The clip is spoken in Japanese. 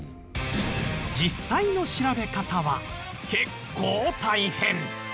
実際の調べ方は結構大変。